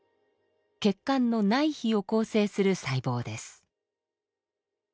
血管の内皮を構成する細胞です。